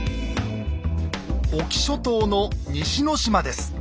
隠岐諸島の西ノ島です。